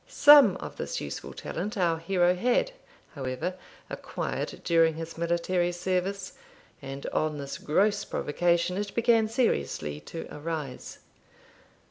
Some of this useful talent our hero had, however, acquired during his military service, and on this gross provocation it began seriously to arise.